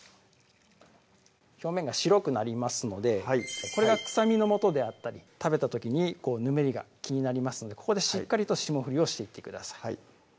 表面が白くなりますのでこれが臭みの元であったり食べた時にぬめりが気になりますのでここでしっかりと霜降りをしていってください